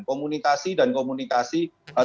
komunikasi dan komunikasi terkait diplomasi